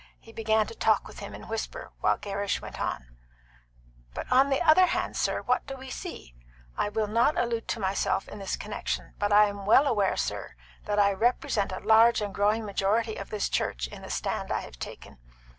He began to talk with him in whisper while Gerrish went on "But on the other hand, sir, what do we see? I will not allude to myself in this connection, but I am well aware, sir, that I represent a large and growing majority of this church in the stand I have taken.